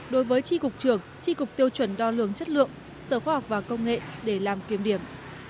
đối với tri cục trưởng tri cục tiêu chuẩn đo lường chất lượng sở khoa học và công nghệ để làm kiềm điểm